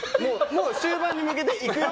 もう終盤に向けていくよ！